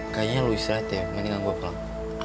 kayaknya lo istirahat ya mendingan gue pulang